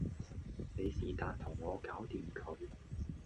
你是旦同我搞掂佢